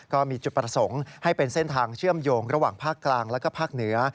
ก็มีจุดประสงค์ให้เป็นเส้นทางเชื่อมโยงระหว่างภาคกลางและภาคเหนือ